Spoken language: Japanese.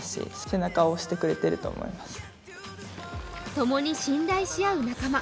ともに信頼し合う仲間。